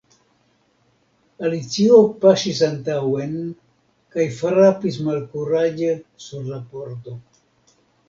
Alicio paŝis antaŭen kaj frapis malkuraĝe sur la pordo.